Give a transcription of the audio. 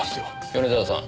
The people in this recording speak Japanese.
米沢さん。